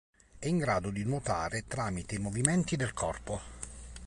È in grado di nuotare tramite i movimenti del corpo.